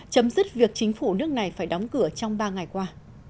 chấm dứt việc chính phủ nước này phải đóng cửa trong ba ngày qua